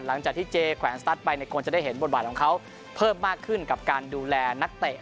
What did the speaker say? หลังจากที่เจแขวนสตัสไปเนี่ยควรจะได้เห็นบทบาทของเขาเพิ่มมากขึ้นกับการดูแลนักเตะ